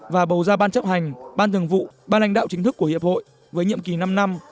và bầu ra ban chấp hành ban thường vụ ban lãnh đạo chính thức của hiệp hội với nhiệm kỳ năm năm